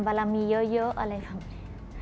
วันเวลามีเยอะอะไรแบบนี้